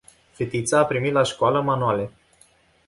Fetița a primit la școală manuale.